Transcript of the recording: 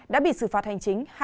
đã bị xử phạt hành chính